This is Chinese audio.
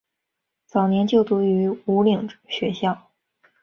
早年就读于武岭学校。